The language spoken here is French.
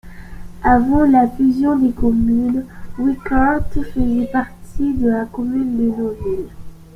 Avant la fusion des communes, Wicourt faisait partie de la commune de Noville.